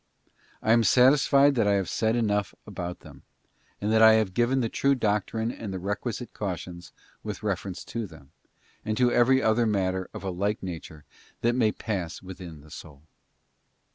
I am satisfied that I have said enough about them, and that I have given the true doctrine and the requisite cautions with. reference to them, and to every other matter of a like nature that may pass within the soul.